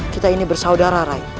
kita ini bersaudara rai